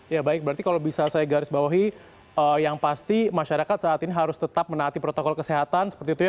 ya baik berarti kalau bisa saya garis bawahi yang pasti masyarakat saat ini harus tetap menaati protokol kesehatan seperti itu ya